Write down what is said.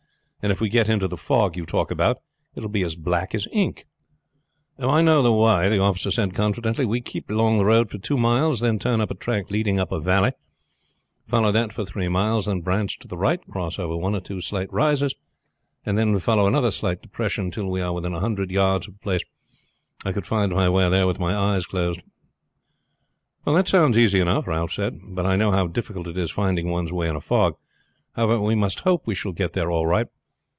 And if we get into the fog you talk about it will be as black as ink." "Oh, I know the way," the officer said confidently. "We keep along the road for two miles, then turn up a track leading up a valley, follow that for three miles; then branch to the right, cross over one or two slight rises, and then follow another slight depression till we are within a hundred yards of the place. I could find my way there with my eyes shut." "That sounds easy enough," Ralph said; "but I know how difficult it is finding one's way in a fog. However, we must hope we shall get there all right.